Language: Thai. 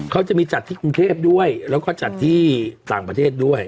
เขาจะมีจัดที่กรุงเทพด้วยแล้วก็จัดที่ต่างประเทศด้วย